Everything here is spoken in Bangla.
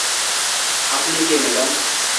আপনি কে, ম্যাডাম?